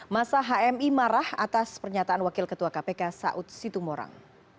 masa hmi marah atas pernyataan wakil ketua kpk saud situmorang